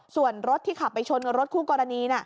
ส่วนรถที่ขับไปชนกับรถคู่กรณี